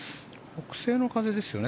北西の風ですよね。